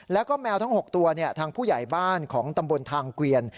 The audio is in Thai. แล้วก็แมวทั้ง๖ตัวทางผู้ใหญ่บ้านของตำบลทางเกวียน